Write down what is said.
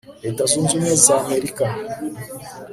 leta zunze ubumwe za america